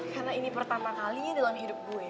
karena ini pertama kalinya dalam hidup gue